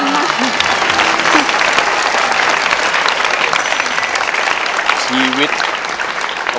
น้องตาชอบให้แม่ร้องเพลง๒๐